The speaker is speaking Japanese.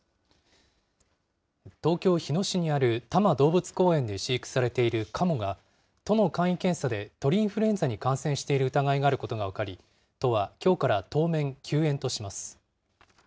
東京・日野市にある多摩動物公園で飼育されているカモが、都の簡易検査で鳥インフルエンザに感染している疑いがあることが分かり、都はきょうから当面、休園とします。